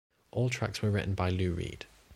All tracks were written by Lou Reed.